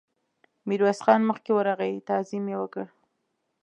ميرويس خان مخکې ورغی، تعظيم يې وکړ.